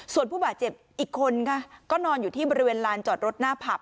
ส่วนผู้บาดเจ็บอีกคนค่ะก็นอนอยู่ที่บริเวณลานจอดรถหน้าผับ